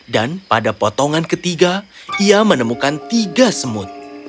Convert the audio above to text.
dan pada potongan ketiga ia menemukan tiga semut